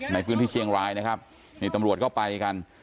ในพื้นที่เชียงรายนะครับนี่ตำรวจก็ไปกัน